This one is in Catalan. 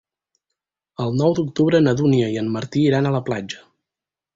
El nou d'octubre na Dúnia i en Martí iran a la platja.